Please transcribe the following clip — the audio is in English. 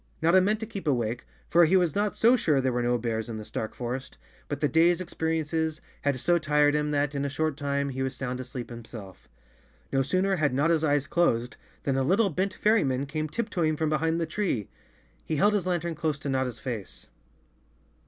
Notta meant to keep awake, 64 _ Chapter Five for he was not so sure there were no bears in this dark forest, but the day's experiences had so tired him that, in a short time, he was sound asleep himself. No sooner had Notta's eyes closed, than a little, bent fairyman came tip toeing from behind the tree. He held his lantern close to Notta's face.